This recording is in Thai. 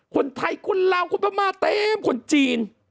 คนไทยคนเราคนประมาทเต็มคนจีน